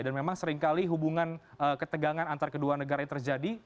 dan memang seringkali hubungan ketegangan antara kedua negara terjadi